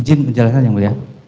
itu betul ya mulia